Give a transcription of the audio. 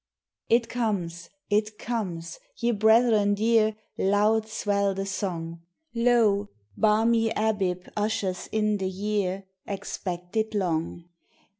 It comes, it comes! ye brethren dear, Loud swell the song; Lo, balmy Abib ushers in the year, Expected long!